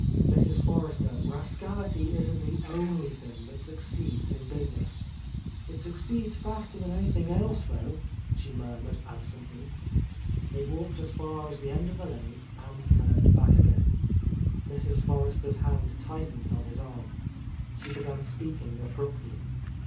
"Mrs. Forrester, rascality isn't the only thing that succeeds in business." "It succeeds faster than anything else, though," she murmured absently. They walked as far as the end of the lane and turned back again. Mrs. — 124 — A Lost Lady Forrester's hand tightened on his arm. She be gan speaking abruptly.